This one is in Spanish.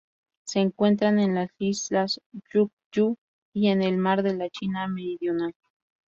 Se encuentran en las Islas Ryukyu y en el Mar de la China Meridional.